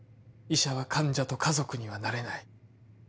医者は患者と家族にはなれない。